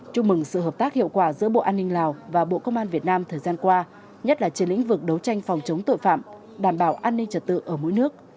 chúc mừng sự hợp tác hiệu quả giữa bộ an ninh lào và bộ công an việt nam thời gian qua nhất là trên lĩnh vực đấu tranh phòng chống tội phạm đảm bảo an ninh trật tự ở mỗi nước